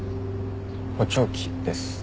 補聴器です。